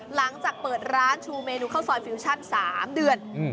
หลังจากเปิดร้านชูเมนูข้าวซอยฟิวชั่น๓เดือน